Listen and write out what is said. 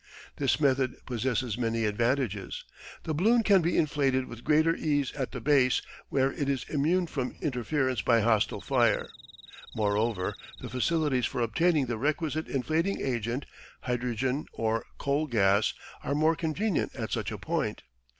This method possesses many advantages. The balloon can be inflated with greater ease at the base, where it is immune from interference by hostile fire. Moreover, the facilities for obtaining the requisite inflating agent hydrogen or coal gas are more convenient at such a point.